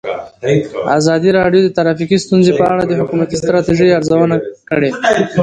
ازادي راډیو د ټرافیکي ستونزې په اړه د حکومتي ستراتیژۍ ارزونه کړې.